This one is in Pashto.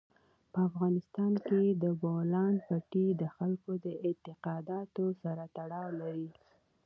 په افغانستان کې د بولان پټي د خلکو د اعتقاداتو سره تړاو لري.